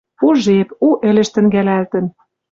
У жеп, у ӹлӹш тӹнгӓлӓлтӹн...